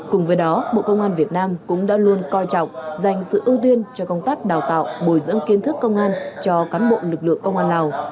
cùng với đó bộ công an việt nam cũng đã luôn coi trọng dành sự ưu tiên cho công tác đào tạo bồi dưỡng kiến thức công an cho cán bộ lực lượng công an lào